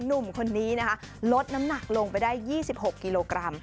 หนุ่มคนนี้นะคะลดน้ำหนักลงไปได้๒๖กิโลกรัม